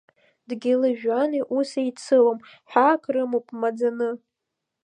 Дгьыли-жәҩани ус еицылом, ҳәаак рымоуп маӡаны.